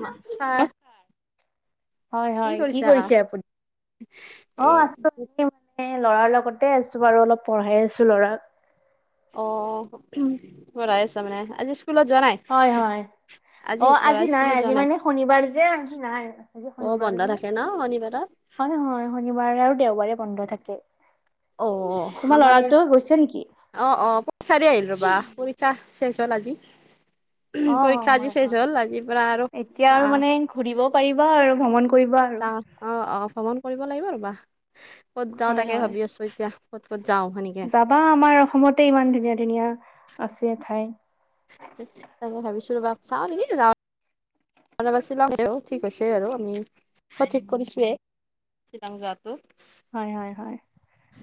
মাহ থা হয় হয় কি কৰিছে আপুনি অ এ আছো। এ ল'ৰাৰ লগতে আছো বাৰু অলপ পঢ়াই আছো ল'ৰাক অ পঢ়াই আছা মানে আজি স্কুলত যোৱা নাই? হয় হয়। অ ল'ৰা আজি নাই স্কুলত যোৱা আজি মানে শনিবাৰ যে আজি নাই আজি অ শনিবাৰ বন্ধ যে থাকে ন শনিবাৰত হয় হয় শনিবাৰে আৰু দেওবাৰে বন্ধ থাকে। অ অ তোমাৰ আমাৰ ল'ৰাটো গৈছে নেকি? ইয়াত অ অ পৰীক্ষা দি আহিল ৰ'বা ক্লাছ চেছ হ'ল আজি। অ পৰীক্ষা আজি হয় শেষ হয় হ'ল আজিৰ পৰা আৰু এতিয়া আৰু আহ মানে ঘূৰিব পাৰিবা আৰু ভ্ৰমণ কৰিবা আৰু। চাহ অ অ ভ্ৰমণ কৰিব লাগিব ৰবা ক'ত যাওঁ হয় তাকে হয়। ভাবি আছো এতিয়া ক'ত ক'ত যাওঁ হেনি যাবা আমাৰ অসমতে ইমান ধুনীয়া ধুনীয়া আছে ঠাই। তাকে ভাবিছো ৰবা চাওঁ যেনি নাযাওঁ। ৰবা চিলং ঠিক হৈছে আৰু আমি সঠিক কৰিছোৱেই শ্বিলং যোৱাত। হয় হয় হয়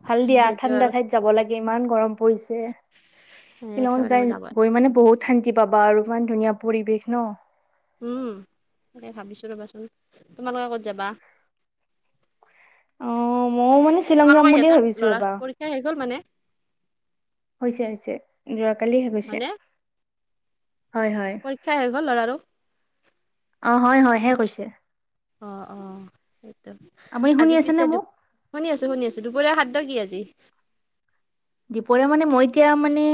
ভাল দিয়া সেইটো ঠাণ্ডা আৰু ঠাইত যাব লাগে ইমান গৰম পৰিছে। শ্বিলঙত একেবাৰে যাই মই যাব গৈ মানে বহুত শান্তি পাবা আৰু ইমান ধুনীয়া পৰিৱেশ ন। উম তাকে ভাবিছোঁ ৰ'বাচোন তোমালোকে ক'ত যাবা? অ মইও মানে শ্বিলং যাম তোমালোকৰ বুলিয়ে সিহঁতৰ ভাবিছোঁ ল'ৰা ৰ'বা। পৰীক্ষা শেষ হৈ গ'ল মানে। হৈছে হৈছে যোৱা কালি শেষ হৈছে হয়নে? হয় হয়। পৰীক্ষা শেষ হ'ল ল'ৰাটো? অ', হয়, হয় শেষ হৈছে। অ', অ' আপুনি শুনি আজি পিছে আছেনে মোক? শুনি আছোঁ, শুনি আছোঁ। দুপৰীয়া খাদ্য কি আজি? দুপৰীয়া মানে, মই এতিয়া মানে,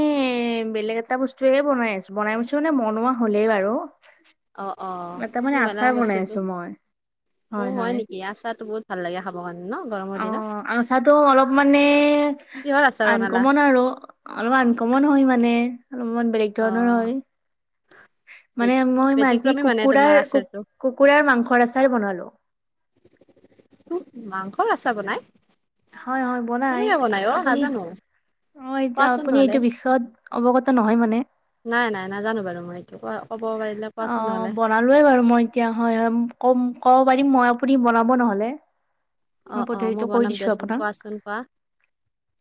বেলেগ এটা বস্তুৱে বনাই আছোঁ, বনাই আছোঁ মানে বনোৱা হ'লেই বাৰু। অ', অ', কি তাৰমানে, বনালা আচাৰ বনাই বস্তুটো? আছোঁ মই, হয়, হয়। [unintelligible] কাৰণে ন গৰমৰ দিনত? অ', আচাৰটো অলপ মানে কিহৰ আচাৰ বনালা? আনকমন আৰু। অলপ আনকমন হয় মানে, অলপমান বেলেগ ধৰণৰ অ', হয়। বে মানে, মই আজি ব্যতিক্ৰমী মানে তোমাৰ কুকুৰাৰ, আচাৰটো। কুকুৰাৰ মাংসৰ আচাৰ বনালো। মাংসৰ আছাৰ বনাই? হয়, হয়, বনাই কেনেকে অ' আপুনি। নাজানো অ', এতিয়া কোৱাচোন আপুনি নহ'লে। এইটো বিষয় পিছত অৱগত নহয় মানে। নাই, নাই, নাজানো বাৰু, মই এইটো কোৱা ক'ব পাৰিলে অ কোৱাচোন, নহ'লে। বনালোৱে বাৰু মই এতিয়া হয়, হয়, কম ক'ব পাৰিম মই, আপুনি বনাব নহ'লে। অ মই অ পদ্ধতিটো কৈ বনাম দিছো দিয়াচোন আপোনাক। কোৱাচোন কোৱা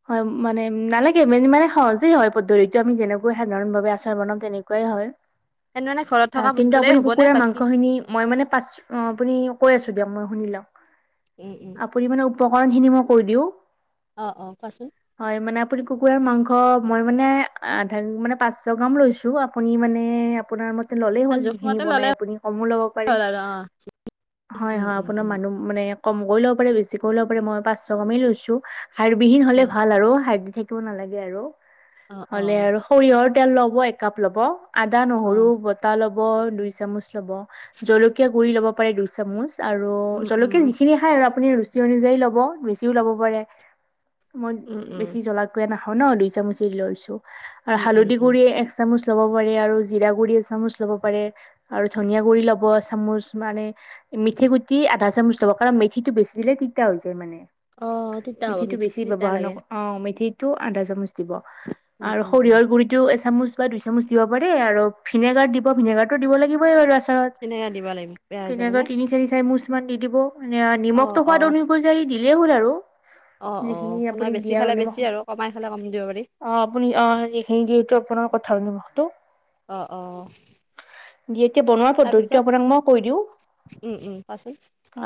হয় মানে, নালাগে মানে সহজে হয় পদ্ধতিটো আমি যেনেকৈ সাধাৰণ ভাৱে আচাৰ বনাম তেনেকুৱা। কৰে হয়, তেনেহ'লে ঘৰত থকা কিন্তু বস্তুৰে আপুনি হ'বনে কুকুৰাৰ বাকী মাংস খিনি মই মানে পাছ আপুনি কৈ আছোঁ, দিয়ক, মই শুনি লওঁ। [inaudible] পৰিমাণৰ উপকৰণ খিনি মই কৈ দিওঁ। অ', অ', কোৱাচোন। হয় মানে, আপুনি কুকুৰা মাংস, মই মানে, আঁধা মানে পাঁচশ গ্ৰাম লৈছোঁ। [unintelligible] আপুনি মানে, আপোনাৰ মত ল'লেই হ'ল, আৰু যিখিনি জোখমতে বনাই ল'লে আপুনি, কমো ল'ব পাৰে। হ'ল আৰু অ হয়, উম হয়, উম আপোনাৰ উম মানুহ মানে, কম কৰি ল'ব পাৰে, বেছি কৰি ল'ব পাৰে, মই পাঁচশ গ্ৰামেই লৈছোঁ। হাৰবিহীন অ হলে ভাল আৰু, হাৰদি থাকিব নালাগে আৰু অ অ হ'লে আৰু। সৰিয়হৰ তেল ল'ব, একাপ ল'ব, অ আদা-নহৰু। তা ল'ব দুই চামুচ ল'ব, জলকীয়া গুৰি ল'ব পাৰে দুই চামুচ, আৰু উম জলকীয়া উম যি। যিখিনি খাই, আৰু আপুনি ৰুচি অনুযায়ী ল'ব। বেছিও ল'ব পাৰেই, মই উম উম বেছি জলা একোৱে নাখাওঁ ন' দুই চামুচ এ লৈছোঁ, আৰু উম উম হালধি উম গুৰি এক চামুচ ল'ব পাৰে আৰু জিৰা গুৰি এচামুচ ল'ব পাৰে। আৰু ধনিয়া গুৰি ল'ব এচামুচ মানে, মিঠি গুটি আধা চামুচ ল'ব। কাৰণ, মেথিটো বেছি দিলে তিতা হৈ যায়, মানে অ তিতা হ'ব মেথিটো মিঠি বেছি তিতা ব্যৱহাৰ লাগে নক অ', মেথিটো আধা চামুচ দিব, উম আৰু উম উম সৰিয়হৰ গুৰি টো এচামুচ বা দুই চামুচ দিব পাৰে, আৰু ভিনেগাৰ দিব, ভিনেগাৰটো দিব লাগিবই বাৰু আছ আচাৰত, সেনেকে দিব লাগিব বেয়া হৈ যাব ভিনেগাৰ নে তিনি-চাৰি চামুচ মান দি দিব। মানে অ নিমখটো অ সোৱাদ অনুযায়ী দিলেই হ'ল আৰু। অ', যিখিনি অ', আপুনি কোনোবাই বেছি দিয়ে আৰু খালে নিমখ বেছি আৰু, কমাই খালে কম দিব পাৰি। অ', আপুনি অ', যিখিনি দিয়ে এইটো আপোনাৰ কথা নিমখটো। অ অ দি এতিয়া, বনোৱা তাৰপিছত পদ্ধতিটো আপোনাক মই কৈ দিওঁ। উম, উম, কোৱাচোন।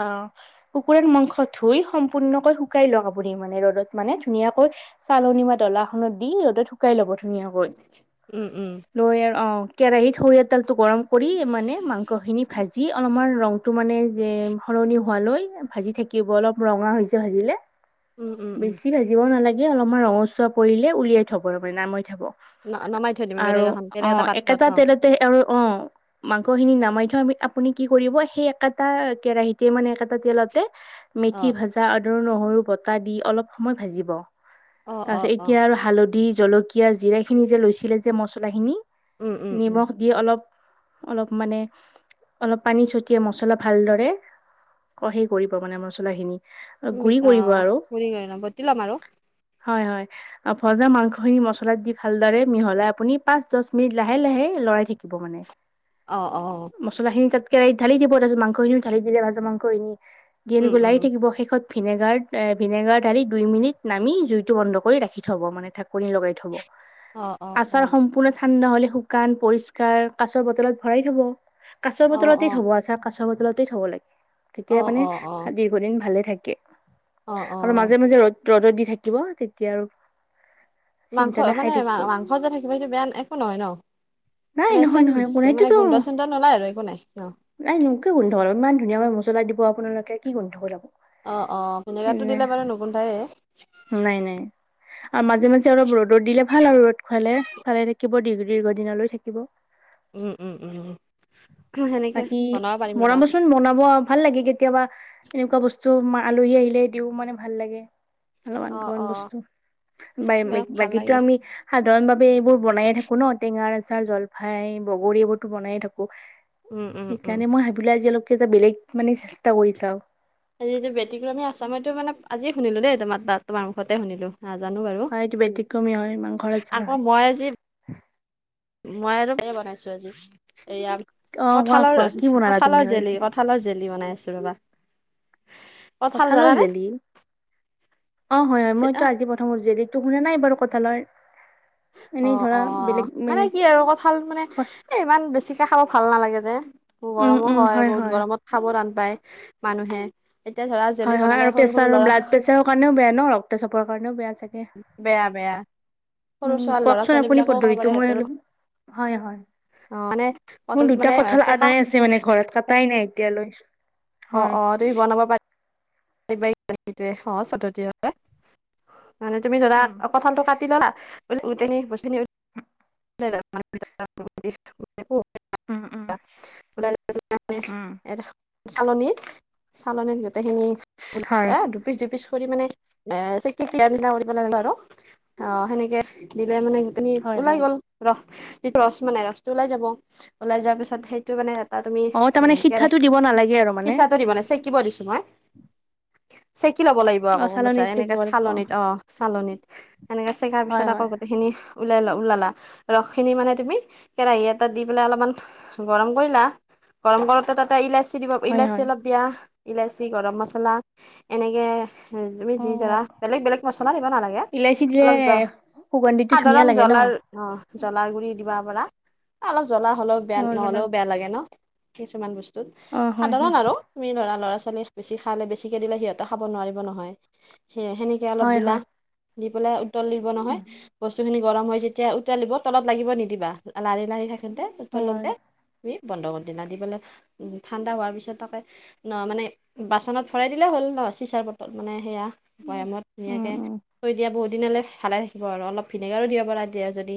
অ'। কুকুৰাৰ মাংস ধুই, সম্পূৰ্ণকৈ শুকাই লওঁক, আপুনি মানে ৰ'দত, মানে ধুনীয়াকৈ। চালনি বা ডলাখনত দি, ৰ'দত শুকাই ল'ব ধুনীয়াকৈ। উম, উম। লৈ অ', কেৰাহীত সৰিয়হ তেলটো গৰম কৰি, মানে মাংসখিনি ভাজি অলপমান ৰং টো মানে যে, সলনি হোৱালৈ ভাজি থাকিব অলপ ৰঙা হৈ যে ভাজিলে। উম, উম। উম বেছি ভাজিব নালাগে, অলপমান ৰঙচুৱা পৰিলে উলিয়াই থ'ব তাৰমানে নামাই থ'ব। ন নমাই থৈ দিম বেলেগ আৰু এখন বেলেগ এটা অ', পাত্ৰত একেটা ন তেলত আৰু অ মাংস খিনি নামাই থৈ আমি আপুনি কি কৰিব সেই একেটা কেৰাহিত তেতিয়া মানে একেটা তেলতে অ মেথি ভাজা আদৰ নহৰু বটা দি অলপ সময় ভাজিব। অ তাৰ অ পিছত অ এতিয়া আৰু হালধি জলকীয়া জিৰা খিনি যে লৈছিলে যে মচলা খিনি উম, উম, উম। নিমখ দি অলপ অলপ মানে অলপ পানী ছটিয়াই মছলা ভালদৰে অ সেইৰি কৰিব মানে মছলা খিনি অ গুৰি কৰি লম বতি ল'ম আৰু হয় হয় ভজা মাংসখিনি মছলাত দি ভালদৰে মিহলাই আপুনি পাঁচ দশ মিনিট লাহে লাহে লৰাই থাকিব মানে। অ অ মছলাখিনি তাত কেৰাহিত ঢালি দিব তাৰ পিছত মাংসখিনি ঢালি দিলে ভাজ মাংসখিনি দি আন উম, লাইি উম, থাকিব শেষত ভিনেগাৰ ভিনেগাৰ দালি দুই মিনিট নামি জুইটো বন্ধ কৰি ৰাখি থ'ব মানে ঢাকনি লগাই থ'ব। অ', অ', অ', আচাৰ সম্পূৰ্ণ। ঠাণ্ডা হ'লে শুকান, পৰিষ্কাৰ কাছৰ বটলত ভৰাই থ'ব। কাছৰ অ', বটলতে অ'। থ'ব। আচাৰ কাচৰ বটলতেই থ'ব লাগে। অ', তেতিয়া মানে অ', দীৰ্ঘদিন ভালে থাকে, অ', অ', আৰু অ', মাজে মাজে ৰদ ৰদত দি থাকিব তেতিয়া আও মাংস মানে মাংস যে থাকিব সেইটো বেয়া একো নহয় ন নাই মানে নহয় চেন নহয় মানে কোনাইটোতো গোন্ধ চোন্ধধ নুৱেলাই আৰু একো নাই ন নাই এনেকে গোন্ধ ল ইমান ধুনীয়া মছলা দিব আপোনালোকে কি গোন্ধব উলাব। অঁ অঁ ভিনেগাৰটো দিলে বাৰু নুগুন্ধায়ে। নাই নাই আৰু মাজে মাজে অলপ ৰ'দত দিলে ভাল আৰু ৰ'দ খুৱালে ভালে থাকিব দীৰ্ঘদিনলৈ থাকিব। থাকিব উম, উম, উম, সেনেকে বাকী বনাব পাৰিম ৰ'বা। মৰাবচোন বনাব। ভাল লাগে কেতিয়াবা এনেকুৱা বস্তু আলহী আহিলে দিও মানে ভাল লাগে। অলপমান অ', অলপমান অ', বস্তু বিৰাট ভাল বাকীতো লাগে। আমি সাধাৰণভাৱে এইবোৰ বনায়ে থাকো ন টেঙা আচাৰ জলফাই বগৰী এইবোৰতো বনায়ে থাকো। উম, উম, উম। সেইকাৰণে মই ভাবিলো আজি অলপ কে বেলেগকৈ মানে চেষ্টা কৰি চাও। আজি এই বেটিকমী আছামত মানে আজিয়ে শুনিলো দেই তোমাৰ তাত তোমাৰ মুখতে শুনিলো। নাজানো বাৰু হয় এইটো ব্যতিক্ৰমী হয় মাংসৰ আচাৰ আকৌ হয়। মই আজি মই আৰু এই বনাইছো আজি এইয়া অ কোৱা কঠালৰ কোৱা কি বনালা তুমি কঁঠালৰ আৰু আজি জেলি কঁঠালৰ জেলি বনাই আছো ৰবা কঁঠাল কঠালৰ জানানে জেলি অ হয় হয় মইটো আজি প অ জেলিত তো শুনা নাই বাৰু কঠালৰ। অ অ মানে কি আৰু কঁঠাল মানে এ ইমান বেছিকে খাব ভাল নালাগে যে গৰমো হয় বহুত গৰমত খাব টান পায় মানুহে এতিয়া ধৰা জেলি বনালে সৰু সৰু ল'ৰা তেওঁ কাৰণেও বেয়া ন ৰক্ত চাপৰ কাৰনেও বেয়া চাগে বেয়া বেয়া সৰু উম ছোৱালী ল'ৰা কওকচোন ছোৱালী আপুনি বিলাকেও খাব পদ্ধতিটো পাৰে মই সিহঁতৰ অলপ হয় হয় অ মানে মোৰ কঁঠাল দুটা মানে কঁঠাল পকা আনাই আছে মানে ঘৰত কটাই নাই তেতিয়া লৈছো। অ অ তুমি বনাব পাৰিবাই অ সহজ পদ্ধতি হয়। মানে তুমি ধৰা উম কঁঠালটো কাটি ললা [unintelligible] [unintelligible] [unintelligible] উম উম উম চালনিত চালনিত গোটেইখিনি হয় [unintelligible] পিচ দুই পিচ কৰি মানে এ চেকি [unintelligible] আৰু অ সেনেকে দিলে মানে আমি হয় ওলাই হয় গ'ল ৰস, যিটো ৰস মানে ৰসটো ওলাই যাব, ওলাই যোৱাৰ পিছত সেইটো মানে তাত আমি অ তাৰমানে সিঠাটো কেৰাহীত দিব নালাগে আৰু মানে পিঠাটো দি বনাই চেকিব দিছো মই। চেকি ল'ব লাগিব অ আকৌ গম পাইছা, চালনীত এনেকে ছেকিব লাগিব চালনিত অ চালনিত এনেকে কাৰ হয় পিছত আকৌ হয় গোটেইখিনি ওলালা ওলালা ৰস খিনি মানে তুমি কেৰাহী এটাত দি পেলাই অলপমান গৰম কৰিলা গৰম কৰোতে তাতে এটা ইলাচী কি দিব? হয় ইলাচি হয় অলপ দিয়া, ইলাচি, গৰম মছলা এনেকৈ তুমি অ যি ধৰা বেলেগ বেলেগ মছলা দিব নালাগে, অলপ জ সুগন্ধীটো ধুনীয়া সাধাৰণ লাগে ন? জ্বলাৰ অ জ্বলাৰ গুৰি দিবা পৰা, অলপ জ্বলা হ'লেও বেয়া অ নহ'লেও জনক বেয়া লাগে ন? কিছুমান বস্তুত, অ হয় হয় সাধাৰণ আৰু। তুমি ধৰা ল'ৰা ছোৱালীক বেছি খালে বেছিকে দিলে সিহঁতে খাব নোৱাৰিব নহয়। সি সেনে অলপ হয় দিলা, হয় দি পেলাই উতলিব নহয়, বস্তুখিনি গৰম হয় যেতিয়া উতুলিব, তলত লাগিব নিদিবা। লাৰি লাৰি থাকঁতে হয় হয় উতলাওতে বন্ধ কৰি দিলা দি পেলাই ঠাণ্ডা হোৱাৰ পিছত তাকে ন মানে বাচনত ভৰাই দিলে হ'ল ন চিচাৰ বটল মানে সেয়া উম, বৈয়ামত উম, ধুনীয়াকে উম। থৈ দিয়া বহুত দিন হ'লে ভালে থাকিব আৰু অলপ ভিনেগাৰো দিব পৰা দিয়া যদি।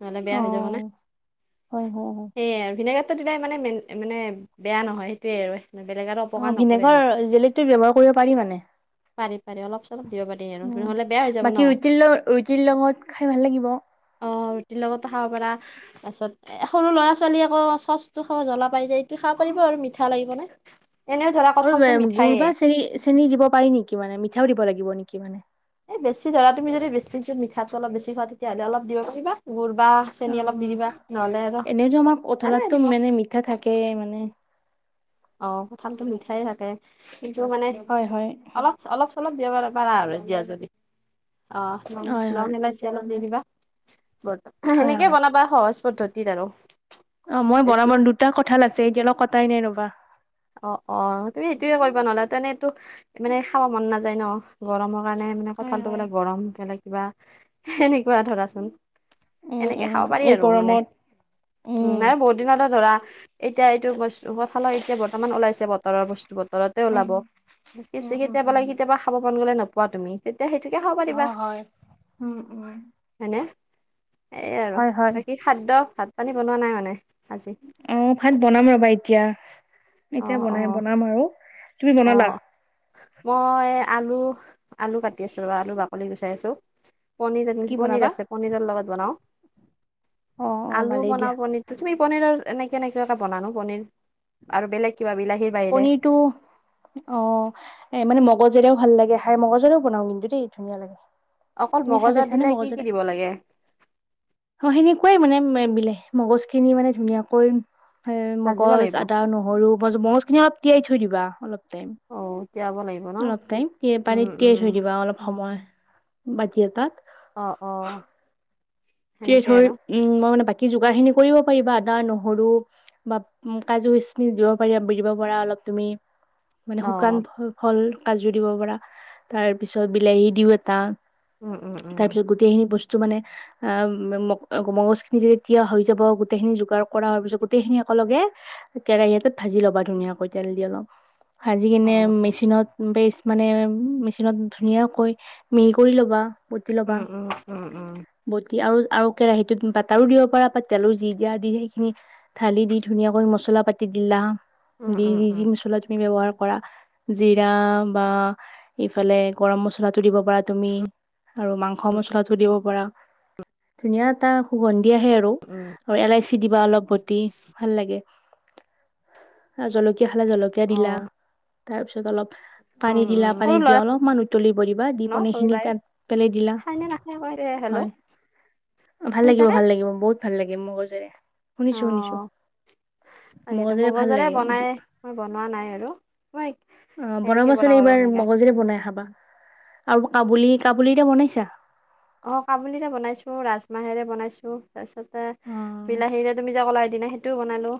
নহ'লে বেয়া অ, হৈ যাব না, হয়, হয়, হয়, সেই আৰু ভিনেগাত দিলে মেনে মানে বেয়া নহয় সেইটয়ে আৰু। বেলেগ আৰু [unintelligible] অ ন ভিনেগাৰ জেলিটো ব্যৱহাৰ কৰিব পাৰি মানে? পাৰি পাৰি অলপ চলপ দিব পাৰিম আৰু, উম, নহ'লে বেয়া হৈ যাব বাকী ন। ৰুটিৰ লগ ৰুটিৰ লগত খাই ভাল লাগিব। অ ৰুটিৰ লগতো খাব পৰা, তাৰপিছত সৰু ল'ৰা ছোৱালী আকৌ চচটো খাব জ্বলা পাই যায়, এইটো খাব পাৰিব আৰু মিঠা লাগিব নে। আৰু গুৰ বা চেনি চেনি দিব পাৰি নেকি? মানে মিঠাও দিব লাগিব নেকি? মানে এই বেছি ধৰা তুমি যদি বেছি যদি মিঠাটো অলপ বেছি খা তেতিয়াহ'লে অলপ দিব পাৰিবা গুৰ বা অ, চেনী অলপ দি দিবা, নহ'লে আৰু এনেইতো আমাৰ কঁঠালতটো নালাগে দিব। মানে মিঠা থাকেই মানে। অ কঁঠালতো মিঠাই থাকে। কিন্ত মানে হয়, হয়। অলপ অলপ-চলপ দিব পা পাৰা আৰু দিয়া যদি। অ হয়, লং হয়, ইলাচি আলপ দি দিবা। হয়, সেনেকে হয়, বনাবা সহজ পদ্ধতিত আৰু। অ মই বেছি বনাব দুটা কঠাল আছে এতিয়ালৈ কটাই নাই ৰ'বা। অ অ তুমি সেইটোয়ে কৰিবা নহ'লা তেনে এইটো মানে খাব মন নাযায় ন। গৰমৰ কাৰণে মানে হয়, কঠালটো হয়। বোলে গৰম বেলে কিবা, সেনেকুৱা ধৰাচোন উম, এনেকে উম, খাব পাৰি এই আৰু মানে, গৰমত উম আৰু বহুত দিনতে ধৰা এতিয়া এইটো বস্তু কঠালৰ এতিয়া বৰ্তমান ওলাইছে বতৰৰ বস্তু বতৰত তে উম, ওলাব পিছ উম, উম, সিতিয়াবা বোল উম, কেতিয়াবা খাব মন গ'লে নোপোৱা তুমি। তেতিয়া সেইটোকে খাব অ, পাৰিবা। হয়। উম, উম। হয়নে? এই আৰু, হয়, হয়। বাকী খাদ্য ভাত -পানী বনোৱা নাই মানে আজি? অ' ভাত বনাম ৰবা এতিয়া, অ এতিয়া অ বনাই বনাম আৰু। তুমি বনালা অ' মই আলু আলু কাটি আছো ৰ'বা, আলু বাকলি গুচাই আছো, পনীৰ কি [inaudible] পনীৰ বনাবা আছে। পনীৰৰ লগত বনাওঁ, অ অ আলু ভালেই দিয়া বনাওঁ, পনী ত তুমি পনীৰৰ এনেকে এনেকে এটা বনানো পনীৰ আৰু বেলেগ কিবা বিলাহীৰ বাহিৰে পনীৰটো অ', এ মানে মগজৰে ভাল লাগে খাই, মগজৰও বনাওঁ কিন্তু দেই ধুনীয়া লাগে। অকল তুমি খাই মগজত পাইছানে দিলে কি কি মগজৰে দিব লাগে? অ' সেনেকুৱাই মানে মেল মিলে, মগজখিনি মানে ধুনীয়াকৈ সে ভাজিব মগজ, লাগিব আদা, নহৰু, ম মগজখিনি অলপ তিয়াই থৈ দিবা অলপ টাইম। অ 'তিয়াব লাগি অলপ টাইম, তিয়াই পানীত তিয়াই থৈ দিবা অলপ সময় বাতি এটাত। অঁ অ। যে সেনেকে ধই আৰু উম মই মানে বাকী যোগাৰখিনি কৰিব পাৰিবা আদা, নহৰু বা উম কাজু, কিছমিছ দিব পাৰিবা বি দিব পাৰা অলপ তুমি। মানে অ শুকান ফ ফল কাজু দিব পৰা তাৰ পিছত বিলাহী দিও এটা উম উম উম। তাৰপিছত গোটেইখিনি বস্তু মানে আ ম মগ মগজখিনি যদি তিয়া হৈ যাব গোটেইখিনি যোগাৰ কৰা হয় পিছত গোটেইখিনি একলগে কেৰাহী এটাত ভাজি ল'বা ধুনীয়াকৈ তেল দি অলপ, ভাজি অ কিনে মেচিনত বেচ মানে মেচিনত ধুনীয়াকৈ মিহি কৰি ল'বা, বুটি ল'বা উম উম উম উম। বটি আৰু আৰু কেৰাহীটোত বাটাৰো দিব পাৰা বা তেলো যি দিয়া দি সেইখিনি ঢালি দি ধুনীয়াকৈ মছলা পাতি দিলা, উম উম দি যি উম যি মছলা তুমি ব্যৱহাৰ পৰা জিৰা বা এইফালে গৰম মছলাটো দিব পাৰা তুমি উম আৰু মাংস - মছলাটো দিব পাৰা, ধুনীয়া এটা সুগন্ধি আহে আৰু। উম আৰু ইলাইচি দিবা অলপ বতি ভাল লাগে আৰু জলকীয়া খালে জলক কীয়া অ দিলা তাৰপিছত অলপ উম পানী দিলা, উম পানী সৰু দিয়া ল'ৰা অলপমান উতলিব দিবা, দি ন সৰু পনীৰখিনি ল'ৰাই তাত পেলাই দিলা খাইনে নাখায় আকৌ এ হেল্ল' হয়, ভাল লাগিব শুনিছানে ভাল লাগিব বহুত ভাল লাগিব মগজৰে। অ শুনিছো শুনিছো, তাকেতো মগজেৰে ভাল মগজৰে লাগে। বনাই মই বনোৱা নাই আৰু। মই অ সেনেকে বনাবাচোন বনাওঁ আৰু এইবাৰ এনেকে মগজিৰে বনাই খাবা আৰু কাবুলি - কাবুলি এতিয়া বনাইছা? অ কাবুলিৰে বনাইছো, ৰাজমাহেৰে বনাইছো তাৰপিছতে অ বিলাহীৰে তুমি যে ক'লা এদিনা সেইটোও বনালো,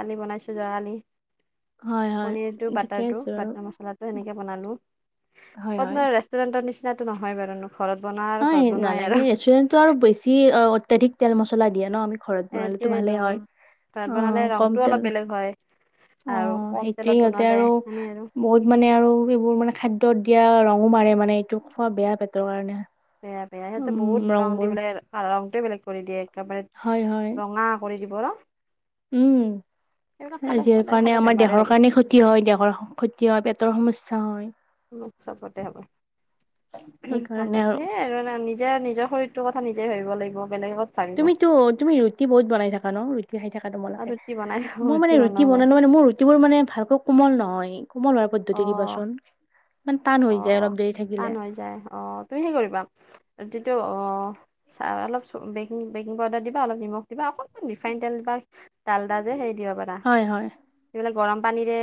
কালি বনাইছো যোৱা কালি। হয় হয় পনীৰটো ঠিকে বাটাৰটো, আছে বাৰু বাটাৰ মচলাটো এনেকে বনালো। হয় এ হয় তোমাৰ ৰেষ্টুৰেন্টৰ নিচিনাটো নহয় বাৰুনো ঘৰত বনা নহয় নালাগে ৰেষ্টুৰেন্টৰ আৰু বেছি অত্যাধিক তেল মছলা দিয়ে ন আমি ঘৰত বনালেতো সেইটোৱেইটো ভালেই হয়, ঘৰত অ বনালে কম ৰংটো তেল অলপ বেলেগ হয় অ আৰু কম সেইটোৱে তেলত বনোৱা সিহতে যায় আৰু সেনে আৰু বহুত মানে আৰু এইবোৰ মানে খাদ্যত দিয়া ৰঙো মাৰে মানে এইটো খোৱা বেয়া পেটৰ কাৰণে। বেয়া - বেয়া, সিহতে উম বহুত ৰং দি ৰংবোৰ বেলে আ ৰংটোৱে বেলেগ কৰি দিয়ে একেবাৰে হয় হয় ৰঙা কৰি দিব ৰ। এইবিলাক উম খালে আজিৰ সদায় কাৰণে খালে আমাৰ বেমাৰে দেহৰ হ'ব কাৰণে ক্ষতি হয় দেহৰ ক্ষতি হয় পেটৰ সমস্যা হয়। চাপতে হ'ব। গম পাইছে সেই আৰু নিজে নিজৰ শৰীৰ তোৰ কথা নিজে ভাবিব লাগিব বেলেগত তুমিতো তুমি ৰুটি বনাই থাকা ন? ৰুটি খাই থাকা আৰু তোমালোকে। ৰুটি বনাই খাব, মোৰ মানে ৰুটি বনাব পাৰ বনালে মানে মোৰ ৰুটিবোৰ মানে ভালকৈ কোমল নহয় কোমল হোৱাৰ অ পদ্ধতি দিবাচোন। মানে টান অ হৈ যায় অলপ দেৰি টান থাকিলে। হৈ যায় অ। তুমি হেই কৰিবা ৰুটিটো অ চা অলপ বেকিং বেকিং পাউদাৰ দিবা অলপ নিমখ দিবা অকণমান ৰিফাইন তেল দিবা। ডালদা যে হে দিয়া বাত হয় হয়। এইবিলাক গৰম পানীৰে